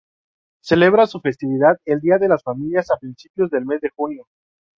Celebra su festividad, el Día de las Familias a principios del mes de junio.